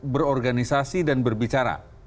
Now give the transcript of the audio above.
berorganisasi dan berbicara